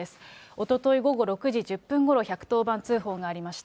おととい午後６時１０分ごろ、１１０番通報がありました。